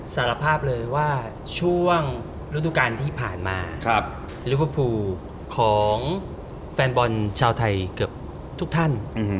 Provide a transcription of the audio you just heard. สารภาพเลยว่าช่วงฤดูการที่ผ่านมาลิเวอร์พูลของแฟนบอลชาวไทยเกือบทุกท่าน